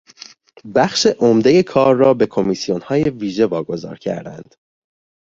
بخش عمدهی کار را به کمیسیونهای ویژه واگذار کردند.